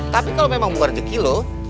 tapi kalau memang bukan rejeki lu